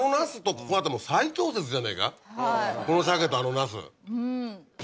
この鮭とあのなす。